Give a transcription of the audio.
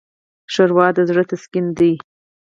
ښوروا د زړه تسکین ده.